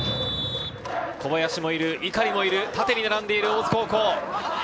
小林もいる、碇もいる、縦に並んでいる大津高校。